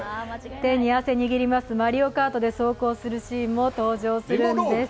手に汗握りますマリオカートで走行するシーンも登場するんです。